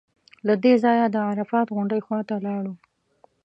له دې ځایه د عرفات غونډۍ خوا ته لاړو.